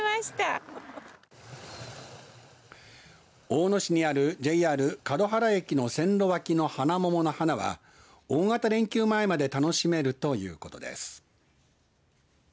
大野市にあるＪＲ勝原駅の線路脇のハナモモの花は大型連休前まで楽しめるということです。